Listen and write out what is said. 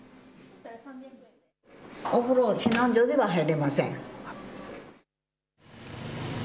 お風呂は避難所では入れません。